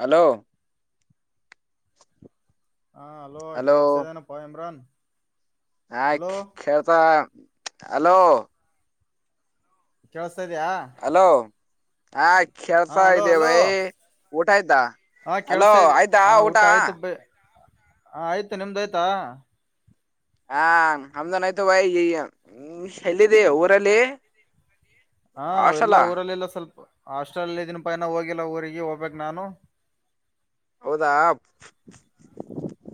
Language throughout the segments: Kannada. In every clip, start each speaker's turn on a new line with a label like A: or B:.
A: ಹಲೋ
B: ಹಾ ಹಲೋ ಕೇಳಿಸತ ಇದ್ದೇನಪ್ಪಾ ಇಮ್ರಾನ್ [inaudible]
A: ಹಾ
B: ಅಲೋ
A: ಕಳ್ತ ಹಲೋ [inaudible]
B: ಕಳ್ಸತ ಇದಯ [inaudible]
A: ಹಲೋ ಹಾ ಕೆಲ್ಸ ಇದ್ಯ ಭೈ ಊಟ ಆಯ್ತಾ [inaudible]
B: ಹಾ
A: ಅಲೋ
B: ಕಳ್ಸತದೆ
A: ಆಯ್ತಾ
B: ಹ ಊಟ ಆಯ್ತು ಬ ಹ ಆಯ್ತು ನಿಮ್ದ ಆಯ್ತಾ [inaudible]
A: ಹಾ ಆಮ್ದನ್ ಆಯ್ತು ಬಯ ಎಲ್ಲಿದ್ದಿ ಊರಲ್ಲಿ [inaudible]
B: ಹಾ ಎಲ್ಲಾ
A: ಹಾಸ್ಟೆಲ್
B: ಊರಲ್ಲೆಲ್ಲ ಸ್ವಲ್ಪ [inaudible] ಹಾಸ್ಟೆಲ್ ಇದನ್ ಪೈನ ಹೋಗಿಲ್ಲ ಊರಿಗೆ ಹೋಗ್ಬೇಕಕ್ ನಾನು [inaudible]
A: ಹೌದಾ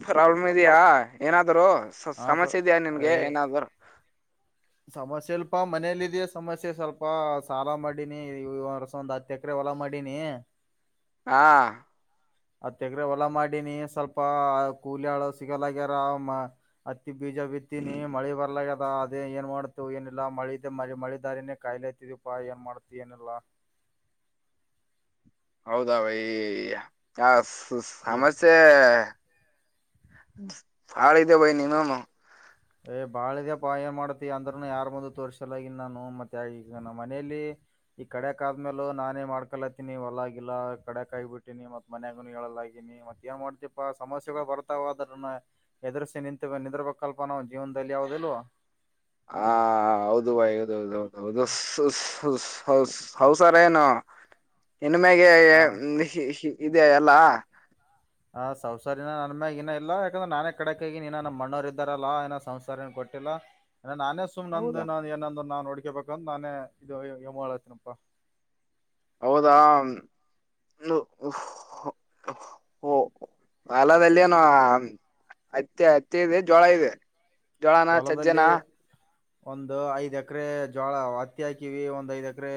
A: ಪ್ರಾಬ್ಲಮ್ ಇದ್ಯಾಾ ಏನಾದ್ರು.
B: ಹಾ ಸ
A: ಸಮಸ್ಯೆ ಇದೆಯಾ ನಿನ್ಗೆ
B: ಏ
A: ಏನಾದರು [inaudible]
B: ಸಮಸ್ಯೆ ಸ್ವಲ್ಪ ಮನೇಲಿ ಇದೆಯ ಸಮಸ್ಯೆ ಸ್ವಲ್ಪ ಸಾಲ ಮಾಡಿನಿ ಒಂದ್ ಹತ್ತು ಎಕರೆ ಹೊಲ ಮಾಡಿನಿ. ನೀ [inaudible]
A: ಹ [inaudible]
B: ಅ ತೆಗ್ರೆ ಹೊಲ ಮಾಡಿನಿ ಸ್ವಲ್ಪ ಕೂಲಿ ಹಳು ಸಿಗಲ್ಲಗ್ಯಾರ. ಬೀಜ ಬಿತ್ತೀಿನಿ ಮಳಿ ಬರ್ಲ. ಅದೇ ಏನ್ ಮಾಡತ ಏನಿಲ್ಲ ಮಳಿದ್ದ ಮ ಮಳಿ ದಾರಿನೇ ಕಾಯಿಲೆ ಆಯತಿದಪಾ ಏನ್ ಮಾಡತು ಏನಿಲ್ಲಾ. [inaudible]
A: ಹೌದ ಬೈ ಆ
B: ಏ
A: ಸಮಸ್ಯೆ. ಹಾಳತ ಭೈ ನೀ ನ ನ.
B: ಏ್ ಬಾಳ್ದ್ಯ ಪ ಏನ್ ಮಾಡತಿ ಅಂದ್ರನು ಯಾರ್ ಮುಂದತ್ ವರ್ಷಲ್ಲಗನ್ ನಾನು ಮತ್ತೆ ಮನೇಲಿ. ಈ ಕಡೆಕ್ ಆದ್ಮೇಲ ನಾನೇ ಮಾಡ್ಕಲತ್ತೀನಿ ಹೊಲಗಿಲ್ಲ ಕಡೆಕ್ ಆಿ ಬಿಟ್ಟೀಿನಿ ಮತ್ ಮನ್ಯಾಗ ಹೇಳಲ್ಲ. [inaudible] ಮತ್ತ ಏ ಮಾಡ್ತಿಪಾ ಸಮಸ್ಯೆಗಳು ಬರ್ತಾವ ಅದನ್ನ ಎದುರ್ಸಿ ನಿಂತ ನಿರ್ಬೇಕಲ್ [inaudible] ನಾವು ಜೀವನದಲ್ಲಿ ಯಾವ್ದದೆಲ್ವಾ
A: ಹ ಹೌದು ಬಾಯ ಹೌದೌದೌೌದು ಹೌಸಾರ ಏನು.
B: ಹ.
A: ಹೆಣಮಾಗ ಇದೆ ಎಲ್ಲಾ.
B: ಹಂ ಸಂ್ಸಾರಿನನ ನನ್ ಮ್ಯಗ ಇನ ಇ ಯಾಕಂದ್ರ ನಾನೇ ಕಡೆಕಗಿನ ನಮ್ಮಣ್ಣೋರು ಇದ್ದಾರಲ್ಲಾ ಏ ಸಂೌಸಾರನ್ ಕೊಟ್ಟಿಲ್ಲ ಅ ನಾನೇ ಸುಮ್ನೆ ನಂದು
A: ಹೌದಾ
B: ನ ಏನಂದು ನಾ ನಡ್. ೇಬೇಕಂದ ನಾನೇ ಇದು ಯಮ ಹತನಪ್ಪ.
A: ಹೌದಾ. ಹ ಅಲದಲ್ಲಿನು. ಅತ್ತಿ ಅತ್ತಿ ಇದೆ ಜೋಳ ಇದೆ ಜೋಳಾನ ಸಜ್ಜನಾ.
B: ಹೊಲದಲ್ಲಿ ಒಂದು ಐದ್ ಎಕರೆ ಜೋಳ ಹತ್ತಿ ಹಾಕಿವಿ ಒಂದ್ ಐದ್ ಎಕರೆ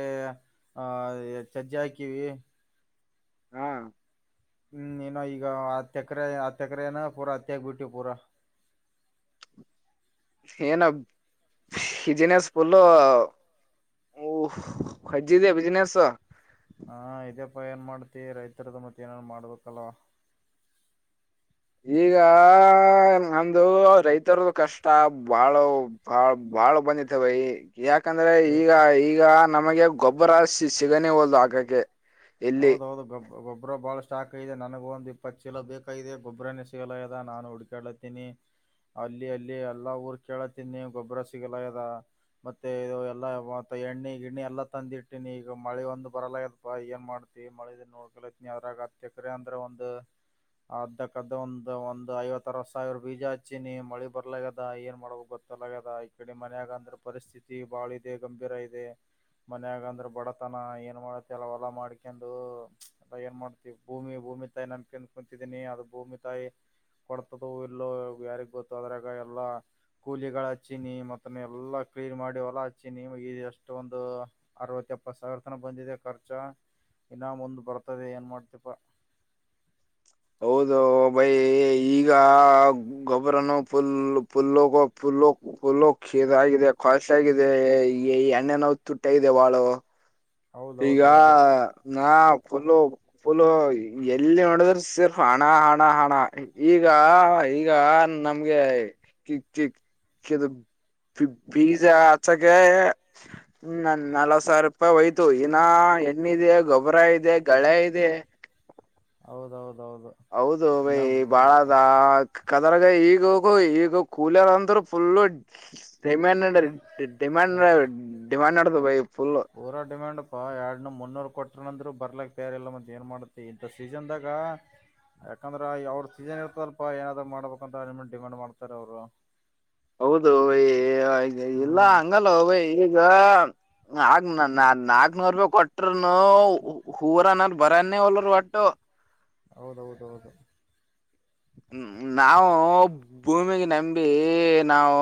B: ಆಹ ಸಜ್ಜಾ [inaudible] ಹಾಕಿವವಿ [inaudible]
A: ಹ್ಮ್ [inaudible]
B: ಹ್ಮ್ ಏನೋ ಈಗ ಆ ತಕರೆ ಆ ತಕ್ರಏನ ಪೂರಾ ಅತ್ತಗ ಬಿಟ್ಟವಿ ಪೂರಾ [inaudible] [inaudible]
A: ಏನ ಹಿಜಿನಸ್ ಪಲ [inaudible] ಓ ಜ್ಜಿದೆ ಬಿಸ್ಿನೆಸ್. [inaudible]
B: ಹಾ ಇದ್ಯಪ್ಪಾ ಏನ್ ಮಾಡ್ತಿ ರೈತರದ ಮತ್ತೆ ಏನೇನ್ ಮಾಡ್ಬೇಕಲ್ವಾ.
A: ಈಗ ನಮ್ದ ರೈತರದು ಕಷ್ಟ ಬಾಳ ಬಾಳ್. ಬಾಳ ಬಂದತ್ತವೆೈ. ಯಾಕಂದ್ರೆ
B: ಏ
A: ಈಗ ಈಗ ನಮಗೆ ಗೊಬ್ಬರ ಸಿ ಸಿಗನೆ ಹೋದದು ಆಕಕ್ಕೆ.
B: ಹೌದೌದು ಗಬ್ ಗೊಬ್ಬರ ಬಹಳಷ್ಟು. ಾಕ್ದೆ ನನಗ ಒಂದು ಇಪ್ಪತ್ತು ಸಿಲೋ ಬೇಕಾಗಿದೆ ಗೊಬರನೇ ಸಿಗಲ್ಲ ಅದ ನಾನು ಹುಡ್ಕಾತೀನಿ. ಅಲ್ಲಿ ಅಲ್ಲಿ ಎಲ್ಲಾ ಊರ್ ಕೇಳತಿನಿ ಗೊಬ್ಬರ ಸಿಗಲ ಇದ. ಮತ್ತೆ ಇ ಎಲ್ಲ ಮತ್ತ ಎಣ್ಣೆ ಗಿಣ್ಣಿ ಎಲ್ಲಾ ತಂದಿ ಇಟ್ಟೀಿನಿ ಈಗ ಮಳೆ ಒಂದು ಬರಲ ಆತ್ಪ್ಪಾ ಏನ್ ಮಾಡ. ಮಳೆ ನೋಡ್ಕಲೈತ್ನ ಯಾವ್ರಾಗ ಹತಕ್ರ ಅಂದ್ರೆ ಒಂದು. ಅದ್ದಕ್ಕದ ಒಂದ್ ಒಂದ್ ಐವತ್ತರ ಸಾವಿರ ಬೀಜ ಹಚ್ಚಿನಿ ಮಳಿ ಬರ್ಲದ ಏನ್ ಮಾಡ್ಬ ಗೊತ್ತ. ತಲಗದ ಈ ಕಡೆ ಮನೆಯಾಗ ಅಂದ್ರೆ ಪರಿಸ್ಥಿತಿ ಬಾಳ ಇದೆ ಗಂಭೀರ ಇದೆ. ಮನ್ಯಾಗ ಅಂದ್ರ ಬಡತನ ಏನ್ ಮಾಡತ್ತ ಅಲ್ಲ ಅವಲ್ಲಾ ಮಾಡ್ಕ. ಕಂದು ಎ ಏನ್ ಮಾಡ್ತಿವಿ ಭೂಮಿ ಭೂಮಿ ತಾಯಿ ನಂಬಕೆನ್ ಕುಂತಿದೀನಿ ಅದು ಭೂಮಿ ತಾಯಿ. ಕೊಡ್ತದ ಇಲ್ಲೋ ಯಾರಿಗ್ ಗೊತ್ತು ಅದ್ರಾಗ ಎಲ್ಲಾ ಕೂಲಿಗಳ ಚಿನಿ ಮತ್ತ ಎಲ್ಲಾ. ಕ್ಲೀನ್ ಮಾಡಿ ಹೊಲ ಹಚ್ಚಿ ನಿಮಗೆ ಎಷ್ಟೊಂದು ಅರವತ್ತ ಎಪ್ಪತ್ತು ಸಾವಿರ ತನ ಬಂದಿದೆ ಖರ್ಚ. ಇನ್ನಾಮ್ ಒಂದು ಬರ್ತದೆ ಏನ್ ಮಾಡ್ತಪ.
A: ಹೌದು ಬೈ ಈಗ ಗೊಬ್ಬರನು ಫುಲ್ ಫುಲ್ಲೋಗ ಫುಲ್ಲೋಗ. ುಲ್ಲು ಕಷೀರ್ ಆಗಿದೆ ಕಾಸ್ಟ್ಲಿ ಆಗಿದೆ ಈ ಈ ಎಣ್ಣೆನೋ ತುಟ್ಟ ಇದೆ ಬಾಳ. ಗಾ
B: ಹೌದೌದೌದು
A: ನ. ಫುಲ್ಲ ಪಫುಲ್ಲ ಎಲ್ಲಿ ನೋಡಿದ್ರ ಸಿರ್ಫ್ ಹಣ ಹಣ ಹಣ ಈಗ. ಈಗ ನಮ್ಗೆ ಕಿಕ್ ಚಿಕ್ ಕಿದ. ಬೀಜ ಆಚಕ್ಕೆ ನ ನಲ್ವತ್ ಸಾವಿರ ರೂಪಾಯಿ ಒಯ್ತ. ಇತ್ತು ಇನಾ ಎಣ್ಣ ಇಿದೆ ಗೊಬ್ಬರ ಇದೆ ಗಳೆ ಇದೆ.
B: ಹೌದೌದು
A: ಹೌದು ಬೈ ಬಾಳ ಅದ ತೊಂದರಗ ಈಗೋಗ ಈಗ ಕೂಲರ್ ಅಂತರೂ ಫುಲ್ ಡೈ ಮ್ಯಾಂಡ್ ರೀ ಡಿಮಾಂಡ್ ನ ಡಿಮಾಂಡ್ ನಡೆದ ಭೈ
B: ಪೂರಾ ಡಿಮ್ಯಾಂಡ್ ಪ್ಪಾ ಎರಡ್ ಮುನ್ನೂರ್ ಕೊಟನ್ ಅಂದ್ರು ಬರ್ಲಕ್ಕ ತಯಾರಿಲ್ಲ ಮತ್ತ್ ಏನ್ ಮಾಡುತ್ತೆ ಇಂಥ ಸೀಸನ್ ದಾಗ ಯಾಕಂದ್ರ ಅವ್ರ ಸೀಜನ್ ಇರ್ತದಲ್ಪಾ ಏನಾದ್ ಮಾಡ್ಬೇಕಂತ ಅಮ ಡಿಮಾಂಡ್ ಮಾಡತಾರ ಅವ್ರು
A: ಹೌದು ಏಐ ಇಲ್ಲ
B: ಹ್ಮ್
A: ಹಂಗಲ್ಲ ಈಗ ನ ನ ನಾ ನಾಕ್ನೂರ್ ರೂಪಾಯ ಕೊಟ್ರನು ಹೂರನಲ್ ಬರಾನೇ ಹೊಲ್ರು ಒಟ್ಟು
B: ಹೌದೌದ ಹೌದು
A: ಹ ನಾವು ಭೂಮಿಗೆ ನಂಬಿ ನಾವು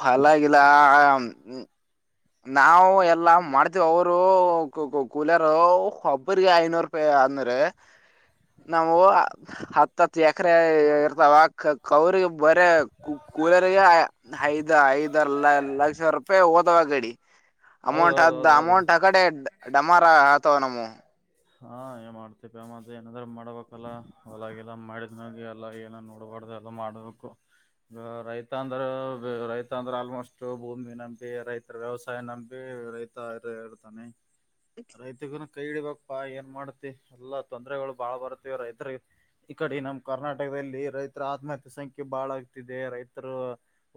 A: ಹೊಲಾ ಗಿಲ್ಲಾ ನಾವವು ಎಲ್ಲಾ ಮಾಡ್ತೇವ ಅವರು ಕೂಲಿಯರು ಒಬ್ಬ ಗೆ ಐನೂರು ರೂಪಾಯಿ ಅಂದ್ರ ನಾವು ಹತ್ತ ಹತ್ತು ಎಕರೆ ಇರ್ತಾವ ಕೌರಿ ಬರೇ ಕೂಲರ್ಗೆ ಐದ್ ಐದರ್ ಲಕ್ಷ ರೂಪಾಯಿ ಹೋದವ ಅಕಡಿ ಅಮೌಂಟ್ ಅದ
B: ಹೌದೌದೌದೌದು
A: ಅಮೌಂಟ್ ಆ ಕಡೆ ಡಮಾರ ಆತವ ನಮ್ಮು
B: ಹಾ ಏ ಮಾಡ್ತಿಪ ಮ ಏನಾದ್ರ ಮಾಡ್ಬೇಕಲ್ಲ ಹೊಲಾಗಿಲ್ಲ ಮಾಡಿದ್ನಗೆ ಎಲ್ಲ ಏನ ನೋಡ್ಬೇಕ ಕೊಡದೆ ಮಾಡಬೇಕು ರೈತ ಅಂದ್ರ ರೈತ ಅಂದ್ರ ಆಲ್ಮೋಸ್ಟ್ ಭೂಮಿ ನಂಬಿ ರೈತರ ವ್ಯವಸಾಯ ನಂಬಿ ರೈತ ಹೇರ್ತಾನೆ ರೈತಗನ ಕೈ ಹಿಡಬೇಕ್ ಏನ್ ಮಾಡ್ತಿ ಎಲ್ಲಾ ತೊಂದ್ರಗಳು ಬಾಳ ಬರ್ತ್ತವ ರೈತರಿಗೆ ಈ ಕಡೆ ನಮ್ಮ ಕರ್ನಾಟಕದಲ್ಲಿ ರೈತ್ ರ ಆತ್ಮಹತ್ಯೆ ಸಂಖ್ಯೆ ಬಾಳ ಆಗ್ತಿದೆ ರೈತರು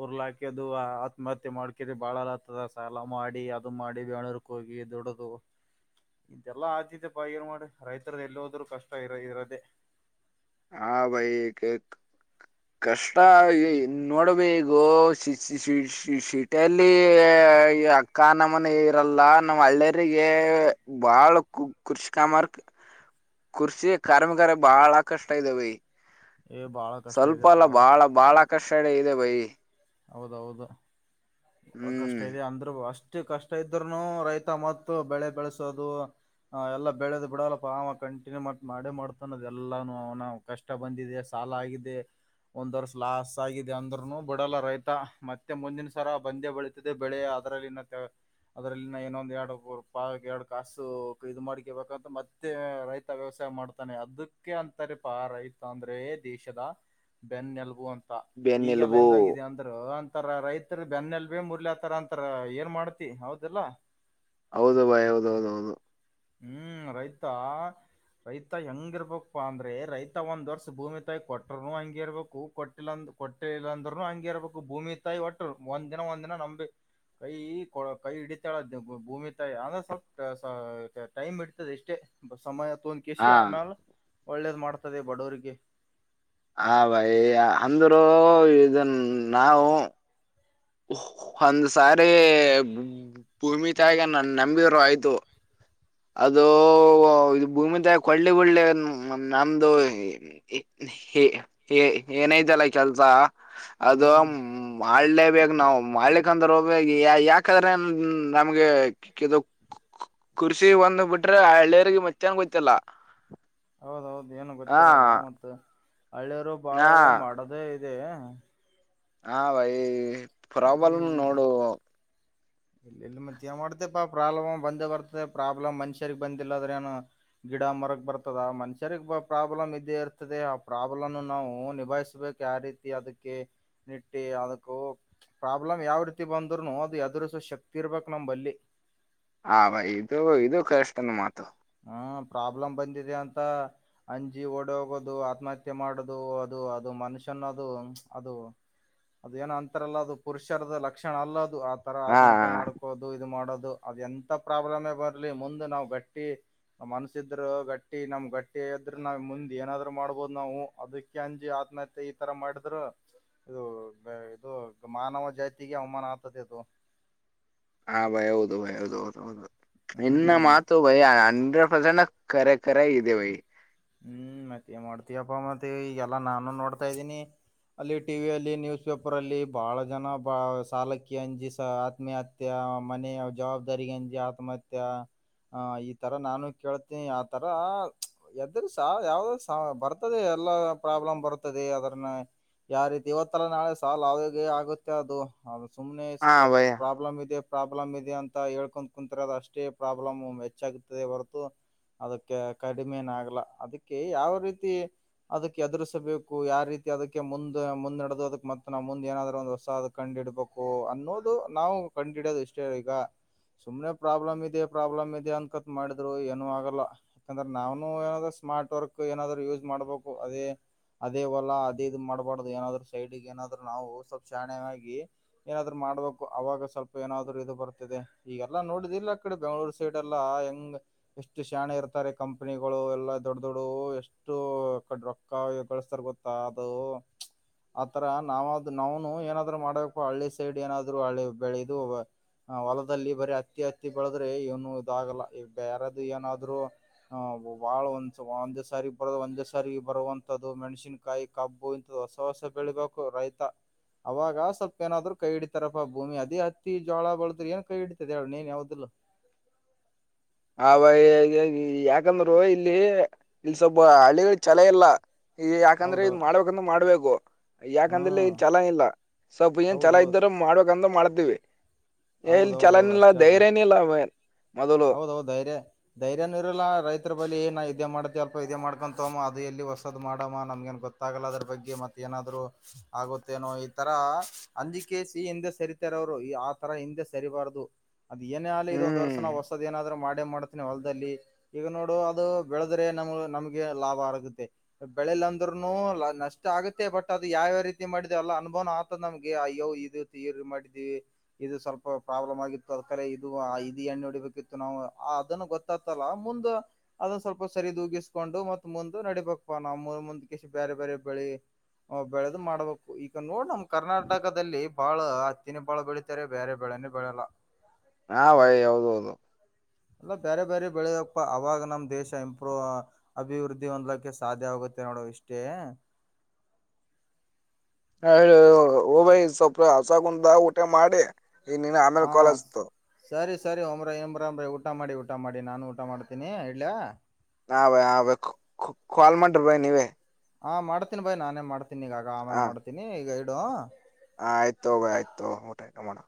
B: ಉರ್ಲ ಹಾಕದು ಆತ್ಮಹತ್ಯೆ ಮಾಡ್ಕಿದೆ ಬಾಳ ತ್ತದ ಸ ಸಾಲಾ ಮಾಡಿ ಅದು ಮಾಡಿ ಬೆಂಗಳೂರು ಕ್ ಹೋಗಿ ದುಡದು ಇದೆಲ್ಲಾ ಆ ಬಾಗಿರ್ ಮಾಡಿ ರೈತರದ ಎಲ್ಲಿಹೋದ್ರು ಕಷ್ಟ ಇರೋ ದೆೇ
A: ಹಾ ಭೈ ಕೇಕ್ ಕಷ್ಟ ಇನ್ ನೋಡ್ಬೇಕು ಸಿ ಸಿ ಸೀಟಲ್ಲಿ ಅಕ್ಕ ನಮ್ಮನ ಇರಲ್ಲ ನಮ್ಮ್ ಹಳ್ಳಿಯರಿಗೆ ಬಾಳ ಕ್ರೃಷಿ ಕಾಮ
B: ಹ [unintelligible]
A: ಕೃಷಿ ಕಾರ್ಮಗಾರ ಬಾಳ ಕಷ್ಟ ಇದೆ ಬೈ
B: ಏ ಬಾಳ ಕಷ್ಟ
A: ಸ್ವಲ್ಪ
B: ಇದೆಪಾ
A: ಅಲ್ಲ ಬಾಳ ಬಾಳ ಕಷ್ಟಡ ಇದೆ ಬೈ
B: ಹೌದೌದು ಕಷ್ಟ
A: ಹ್ಮ್
B: ಇದೆ ಅಂದ್ರು ಅಷ್ಟ ಎಷ್ಟು ಕಷ್ಟ ಇದ್ರರುನು ರೈತ ಬೆಳೆ ಬೆಳೆಸೋದು ಹ ಎಲ್ಲಾ ಬೆಳೆದ ಬಿಡಲ್ಲಪ್ಪ ಅವಾ ಕಂಟಿನ್ಯೂ ಮಾಡೇ ಮಾಡ್ತಾನದ ಎಲ್ಲಾನ ಅವನ ಕಷ್ಟ ಬಂದಿದೆ ಅಲಾ ಆಗಿದೆ ಒಂದ್ ವರ್ಷ ಲಾಸ್ ಆಗಿದೆ ಅಂದ್ರರುನು ಬಿಡಲ್ಲ ರೈತ ಮ ಮತ್ತೆ ಮುಂದಿನ ಸರ ಬಂದೇ ಬೆಳೀತದೆ ಬೆಳೆ ಅದ್ರಲ್ಲಿ ಇನ್ನ ಅದ್ರಲ್ಲಿನ ಏನೊಂದ ಎರಡು ಪ ಎರಡು ಕಾಸು ಇದು ಮಾಡ್ಕೇಬೇಕಂತ ಮತ್ತೆ ರೈತ ವ್ಯವಸ ಮಾಡ್ತಾನೆ ಅದಕ್ಕೆ ಅಂತಾರೆಪಾ ರೈತ ಅಂದ್ರೆ ದೇಶದ ಬೆನ್ನನೆಲುಬು ಅಂತ
A: ಬೆನ್ನೆಲುಬು
B: ಅಂತರ ರೈತರಿ ಬೆನ್ನೆಲ್ಲಭೆ ಮುರ್ಲಾಕತ್ತಾರ ಅಂತರ ಏನ್ ಮಾಡ್ತಿ ಹೌದಲ್ಲ.
A: ಹೌದು ಬಾಯ್ ಹೌದ ಹೌದೌದು
B: ಹ್ಮ್ ರೈತಾ ರೈತ ಹೆಂಗ ಇರ್ಬೇಕಪ್ಪಾ ಅಂದ್ರೆ ರೈತ ಒಂದ್ ವರ್ಷ ಭೂಮಿ ತಾಯಿ ಕೊಟ್ರನು ಹಂಗಿರ್ಬೇಕು ಕೊಟ್ಟಿಲ್ಲಂದರೂ ಕೊಟ್ಟೆ ಇಲ್ಲಾಂದ್ರುನು ಹಂಗಿ ಇರ್ಬೇಕು ಭೂಮಿ ತಾಯಿ ಒಟ್ರು ಒಂದ್ ದಿನ ಒಂದ್ ದಿನ ನಂಬ್ ಕೈ ಕೊ ಕೈ ಹಿಡಿತಾಳ ಭೂಮಿ ತಾಯ ಅಂದ್ರ ಸ್ವಲ್ಪ ಟೈಮ್ ಇಡ್ತದೆ ಎಷ್ಟೇ ಸಮಯ ತೊಂದ ಕೆಸಿ
A: ಹಾ
B: ಆಮ್ಯಾಲ ಒಳ್ಳೇದ್ ಮಾಡ್ತದೆ ಬಡವರಿಗೆ
A: ಹ ಭಯ ಅಂದರು ಇದನ್ ನಾವು ಒಂದು ಸಾರಿ ಭೂಮಿ ತಾಯಗ ನನ್ ನಂಬಿದ್ರು ಆಯ್ತು. ಅದು ಇದು ಭೂಮಿ ತ ಕೊಳ್ಳಿಗಳ್ಳಿ ನಮ್ದು. ಹ ಏನೈತಲ್ಲ ಕೆಲ್ಸ ಅದು
B: ಹ್ಮ್
A: ಮಾಡಲೇಬೇಕ. ನಾವು ಮಾಡ್ಲಿಕ್ಕೆಂದ ಯಾಕ್ರೆ ನಮ್ಗೆ ಕು. [unintelligible] ಖುಷಿ ಒಂದು ಬಿಟ್ರೆ ಹಳ್ಳಿಯರಿಗೆ ಮತ್ತನ್ ಗಯ್ತಲ್ಲ.
B: ಹೌದೌದು್ ಏನು ಗೊತ್ತಿರಲ್ಲ ಮತ್ತೆ ಹಳ್ಳಿಯರು ಬಾಳ
A: ಹಾ
B: ಮಾಡದೇ. ಇದೆ.
A: ಹಾ ಭೈ ಪ್ರಾಬ್ಲಮ ನೋಡು.
B: ಇಲ್ಲ ಇಲ್ಲಿ ಮತ್ತ ಏನ್ ಮಾಡ್ತಪಾ ಪ್ರಾಬ್ಲಮ್ ಬಂದ ಬರ್ತದೆ ಪ್ರಾಬ್ಲಮ್ ಮನುಷ್ಯರಿಗೆಗ್ ಬಂದಿಲ್ಲದ್ರೆ ಏನು ಗಿಡ ಮರಕ್ ಬರ್ತದ ಮನುಷ್ಯರಿಗೆ ಪ್ರಾಬ್ಲಮ್ ಇದೇ ಇರ್ತದೆ ಆ ಪ್ರಾಬ್ಲಮ್ ನಾವು ನಿಭಾಯಿಸಬೇಕ ಯೆ. ಯ ರೀತಿ ಅದಕ್ಕೆ ನಿಟ್ಟಿ ಅದಕ್ಕ ಪ್ರಾಬ್ಲಮ್ ಯಾವ ರೀತಿ ಬಂದ್ರುನು ಅದು ಎದರು. ಶಕ್ತಿ ಇರ್ಬೇಕಕ್ು ನಮಂಬಲ್ಲಿ.
A: ಹ ಬ ಇದು ಇದು ಕಷ್ಟನ್ ಮಾತು.
B: ಹ್ಮ್ ಪ್ರಾಬ್ಲಮ್ ಬಂದಿದೆ ಅಂತ ಅಂಜಿ ಓಡ ಹೋಗೋದು ಆತ್ಮಹತ್ಯೆ ಮಾಡೋದು ಅದು ಅದು. ಮನುಷ್ಯನ ಅದು ಅದು ಅದು ಏನ ಅಂತಾರಲ್ಲ ಅದು ಪುರುಷರ ಲಕ್ಷಣ ಅಲ್ಲ. ದು ಆ ತರ
A: ಹಾ
B: ಆತ್ಮಹತ್ಯೆ ಮಾಡ್ಕೋದು ಇದು ಮಾಡೋದು ಅದು ಎಂತ ಪ್ರಾಬ್ಲಮೇ ಬರ್ಲಿ ಮುಂದ ನಾವು ಬೆಟ್ಟ. ಪೇ. ನ್ ಮನ್ಸ ಇದ್ರ ಗಟ್ಟಿ ನಮ್ ಗಟ್ಟಿ್ರ ನ ಮುಂದ್ ಏನಾದ್ೂ ಮಾಡ್ಬೋದು ನಾವು ಅದಕ್ಕೆ ಅಂಜಿ. ಮತ್ತೆ ಈ ತರ ಮಾಡಿದ್ರು. ಇದು ಇದು ಮಾನವ ಜಾತಿಗೆ ಅವಮಾನ ಆಗ್ತದೆ ಅದು.
A: ಹಾ ಭೈ ಹೌದು ಭೈ ಹೌದು ಹೌದುೌದು ಇನ್ನ
B: ಹ್ಮ್
A: ಮಾತು ಭಯ ಅಂದ. ಪ್ರಜಂಡ ಕರೆ ಕರೆ ಇದೆವೈ.
B: ಹ್ಮ್ ಮತ್ತೇನ್ ಮಾಡ್ತಯಪ್ಪಾ ಮತ್ತೆ ಈ ಎಲ್ಲಾ ನಾನು ನೋಡ್ತಾ ಇದ್ದೀನಿ. ಅಲ್ಲಿ ಟಿವಿಯಲ್ಲಿ ನ್ಯೂಸ್ ಪೇಪರ್ ಅಲ್ಲಿ ಬಹಳ ಜನ ಬ ಸಾಲಕ್ಕಿ ಅಂಜಿಸ ಆತ್ಮಹತ್ಯೆ. ಮನೆಯ ಜವಾಬ್ದಾರಿಿಗೆಂಜ ಆತ್ಮಹತ್ಯೆ. ಹ ಈ ತರ ನಾನು ಕೇಳ್ತೀನಿ ಆತರ ಎದ. ಅ್ರ ಯಾವ್ದ ಬರ್ತದೆ ಎಲ್ಲಾ ಪ್ರಾಬ್ಲಮ್ ಬರ್ತದೆ ಅದ್ರನ್ನ. ಯಾರೀತಿ ಇವತ್ತಲ್ಲ ನಾಳೆ ಸಾಲ ಅವಾಗ ಆಗುತ್ತೆ ಅದು ಸುಮ್ನೆ
A: ಹಾ
B: ಸ್ವಲ್ಪ
A: ಭಯ್ಯ
B: ಪ್ರಾಬ್ಲಮ್ ಇದೆ. ಪ್ರಾಬ್ಲಮ್ ಇದೆ ಅಂತ ಹೇಳ್ಕೊಂಡ್ ಕುಂತರ ಅದ ಅಷ್ಟೇ ಪ್ರಾಬ್ಲಮ್ ಹೆಚ್ಚಾಗತದೆ ಹೊರತು. ಅದಕ್ಕೆ ಕಡಿಮೆನ ಆಗ್ಲ ಅದಕ್ಕೆ ಯಾವ ರೀತಿ. ಅದಕ್ಕೆ ಎದುರಿಸಬೇಕು ಯಾವ ರೀತಿ ಅದಕ್ಕೆ ಮುಂದ್ ಮುಂದ ನಡದು ಅದಕ್ ಮತ್ತ ನಾ್ ಮುಂದ್ಏನಾದ್ರೂ ಒಂದು ಹೊಸ ಅದು ಕಂಡ. ಂಡಿಡ್ಬೇಕು ಅನ್ನೋದು ನಾವು ಕಂಡು ಹಿಡೋದು ಇಷ್ಟೇ ಈಗ. ಸುಮ್ನೆ ಪ್ರಾಬ್ಲಮ್ ಇದೆ ಪ್ರಾಬ್ಲಮ್ ಇದೆ ಅನ್ಕತ್ ಮಾಡಿದ್ರು ಏನು ಆಗಲ್ಲ ಯಾಕಂದ್ರೆ ನಾವನು ಏನದ. ಸ್ಮಾರ್ಟ್ ವರ್ಕ್ ಏನಾದ್ೂ ಯೂಸ್ ಮಾಡ್ಬೇಕು ಅದೇ. ಅದೇವಲ್ಲ ಅದೇ ಇದ್ ಮಾಡ್ಬಾರ್ದು ಏನಾದ್ರು ಸೈಡ್ಿಗೆ ಏನಾದ್ೂ ನಾವು ಸ್ವಲ್ಪ್ ಶಾಣೆ ಏನಾದ್ರು. ಮಾಡ್ಬೇಕು ಅವಾಗ ಸ್ವಲ್ಪ ಏನಾದ್ರು ಇದು ಬರ್ತಿದೆ ಈಗಲ್ಲಾ ನೋಡಿದ ಇಿಲ್ಲ ಆ ಕಡೆ ಬೆಂಗಗಳೂರು ಸೈಡ್ ಎಲ್ಲಾ ಹೆಂಗ. ಎಷ್ಟು ಶಾಣ ಇರ್ತಾರೆ ಕಂಪನಿಗಳು ಎಲ್ಲ. ದೊಡ್ಡ ದೊಡ್ಡ ಎಷ್ಟು ಕಡ್ ರೊಕ್ಕ ಗಳಿಸತಾರ ಗೊತ್ತಾ ಅದು. ಆತರ ನಾವಾದ ನಾವ್ನು ಏನಾದ್ರು ಮಾಡ್ಬೇಕು ಹಳ್ಳಿ ಸೈಡ್ ಏನಾದ್ರು ಹಳ್ಳಿ ಬೆಳೆಯದು. ಹ ಹೊಲದಲ್ಲಿ ಬರೀ ಹತ್ತಿ ಹತ್ತಿ ಬೆಳೆದ್ರೆ ಏನು ಇದ ಆಾಗಲ್ಲ ಯಾರಾದ ಏನಾದ್ರು. ಹ ಬಾಳ ಒಂದ. ಒಂದೇ ಸಾರಿ ಬರೋ ಒಂದೇ ಸಾರಿಿಗೆ ಬರುವಂತದ್ದ ಮೆಣಸನ್ಕಾಯಿ ಕಬ್ಬು ಇಂಂತದ ಹೊಸ ಹೊಸ ಬೆಳಿಬೇಕು. ರೈತಾ. ಅವಾಗ ಸ್ವಲ್ಪ ಏನಾದ್ರು ಕೈ ಹಿಡಿತಾರಪ್ಪ ಭೂಮಿ ಅದೇ ಹತ್ತಿ ಜೋಳ ಬಳದ್ರ ಏ ಕೈ ಹಡತದೆ ಹೇಳ ನೀನ್ ಯಾವ್ದಿಲ್ಲ. ಹ.
A: ಆ ಯಾಕಂದ್ರು ಇಲ್ಲಿ ಇಲ್ ಸ್ವಲ್ಪ ಹಳ್ಳಿಗಳ ಚಛಲ ಇಲ್ಲ. ಈ ಯಾಕಂದ್ರೆ ಇದ್
B: ಹೌದೌದು
A: ಮಾಡ್ಬೇಕಂದ್ರ ಮಾಡ್ಬೇಕು. ಯಾಕಂದ್ರೆ
B: ಹ್ಮ್
A: ಚಲಾ ಇಲ್ಲ ಸ್ವಲ್ಪ ಏನ್ ಚಲ
B: ಹೌದೌದು
A: ಇದ್ದರು ಮಾಡ್ಬೇಕಂದ ಮಾಡ. ವಿ ಇಲ್ಲಿ ಚಲನ
B: ಹೌದೌದೌದು
A: ಇಿಲ್ಲ
B: ಅಷ್ಟೇ ಅದ
A: ಧೈರ್ಯನ ಇಲ್ಲ ಬೈ.
B: ಹೌದೌದು ಧೈರ್ಯ ಧೈರ್ಯನು ಇರಲ್ಲಾ ರೈತರ ಬಳಿ ಇದೇ ಮಾಡತಿ ಅಲ್ಪ ಇದೇ ಮಾಡ್ಕೊ ತೋಮ್ಮ ಅದು ಎಲ್ಲಿ ಹೊಸದ್ ಮಾಡಮ್ಮ ನಮ ಗೊತ್ತಾಗಲ್ಲ ಅದ್ರ ಬಗ್ಗೆ ಮತ್ತ ಏನಾದ್ರು ಆಗುತ್ತೇನೋ ಈ ತರ ಅಂಜಿಕ ಸಿ ಹಿಂದೆ ಸರಿತಾರೆ ಅವರು ಈ ಆ ತರ ಹಿಂದೆ ಸರಿಬಾರದು ಅದ್ ಏನೇ ಆಲಿ ಇದ ಒಂದ
A: ಹ್ಮ್
B: ವರ್ಷ ಏನಾದ್ರರು ಮಾಡೇ ಮಾಡ್ತನಿ ಹೊಲದಲ್ಲಿ ಈಗ ನೋಡು ಅದು ಬೆಳೆದ್ರೆ ನಮ್ ನಮ್ಗೆ ಲಾಭ ಆರಗುತ್ತೆ ಬೆಳಲಿ ಅಂದ್ರರುನು ನಷ್ಟ ಆಗತ್ತೆ ಬಟ್ ಅದು ಯಾವ್ಯಾವ ರೀತಿ ಮಾಡಿದೆ ಎಲ್ಲ ಅನುಭವ ಆಗ್ತದ ನಮ್ಗೆ ಅಯ್ಯೋ ಇದು ತರಿ ಮಾಡಿದೀವಿ ಇದು ಸ್ವಲ್ಪ ಪ್ರಾಬ್ಲಮ್ ಆಗಿತ್ತು ಅದರೆ ಇದು ಇದು ಎಣ್ಣು ಹೊಡಿಬೇಕಿತ್ತು ನಾವು ಅದನ್ನು ಗೊತ್ತತಲ್ಲ ಮುಂದ ಅದನ್ನ ಸ್ವಲ್ಪ ಸರಿದೂಗಿಸ್ಕೊಂಡು ಮತ್ತ ಮುಂದ ನಡಿಬೇಕ ಪ್ಪ ನಾ ಮೂ ಮುಂದಕ್ಕೆ ಬೇರೆ ಬೇರೆ ಬೆಳಿ ಬೆಳೆದು ಮಾಡ್ಬೇಕು ಈಗ ನೋಡ್ ನಮ ಕರ್ನಾಟಕದಲ್ಲಿ ಬಾಳ ಹತ್ತಿನ ಬಾಳ ಬೆಳೀಿತಾರೆ ಬೇರೆ ಬೆಳೆ. ನ್ನಿ ಬಿಡಲ್ಲ.
A: ಹಾ ಭಾಯ್ ಹೌದ ಹೌದು
B: ಅಲ್ಲ ಬೇರೆ ಬೇರೆ ಬೆಳೆಯಪ್ಪ ಅವಾಗ ನಮ್ ದೇಶ ಇಂಪ್ರ ಅಭಿವೃದ್ಧಿ ಹೊಂದ್ಕ್ಕೆ ಸಾಧ್ಯ ಆಗುತ್ತೆ ಮತ್ತ ನೋಡೋ ಇಷ್ಟೇ [inaudible]
A: ಹ ಹಬ್ ಸ್ವಪ ಹಸಗುಂದ ಊಟೆ ಮಾಡಿ ಈ ನೀನ ಅಮಲ್
B: ಹ
A: ಕಾಲ್ ಆಚತು
B: ಸರಿ ಸರಿ ಒಂಬ್ರ ಇಂಬ್ರ ಅಂಬ್ರ ಊಟ ಮಾಡಿ ಊಟ ಮಾಡಿ ನಾನು ಊಟ ಮಾಡ್ತೀನಿ ಇಯಾ
A: ನಾ ಭಯ ಹ ಭ ಕಾಲ್ ಮಾಡ್ರಿ ಬಯಿ ನೀವೇ
B: ಹಾ ಮಾಡ್ತೀನಿ ಬಾಯ್ ನಾನೇ ಮಾಡ್ತೀನಿ ಈಗಗ ಆಮೇಲೆ ಮಾಡ್ತೀನಿ ಈಗ ಗೈಡು
A: ಆ ಆಯ್ತು ಹೋಗ ಆಯ್ತು ಊಟ ಆ ನ ಮಾಡೋಣ